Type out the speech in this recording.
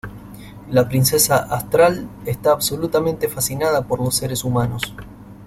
La princesa Astral está absolutamente fascinada por los seres humanos.